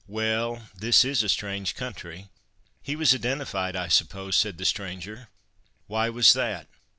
Well, this is a strange country. He was identified, I suppose?" said the stranger. "Why was that?"